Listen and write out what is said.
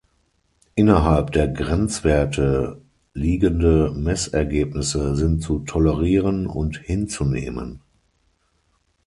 Innerhalb der Grenzwerte liegende Messergebnisse sind zu tolerieren und hinzunehmen.